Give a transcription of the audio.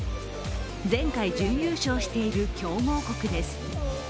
前回、準優勝している強豪国です。